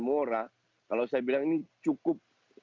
mora kalau saya bilang ini cukup